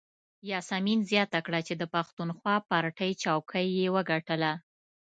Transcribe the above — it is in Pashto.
یاسمین زیاته کړه چې د پښتونخوا پارټۍ څوکۍ یې وګټله.